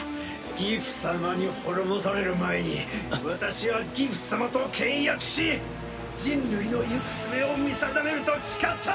ギフ様に滅ぼされる前に私はギフ様と契約し人類の行く末を見定めると誓った！